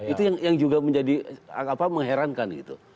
itu yang juga menjadi mengherankan gitu